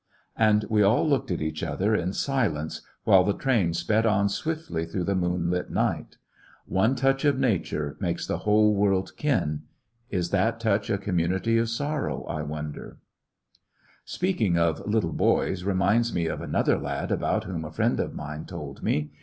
And we all looked at each other in silence, 84 l[VlissionarY in i§€ Great West while the train sped on swiftly through the raoonliglit night. ^^One touch of nature makes the whole world kin.'^ Is that touch a com munity of sorroWj I wonder f Bpeaking of little hoys reminds me of an other lad about whom a friend of mine told me.